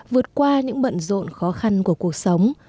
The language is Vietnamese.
vượt qua những bận rộn khó khăn của cuộc sống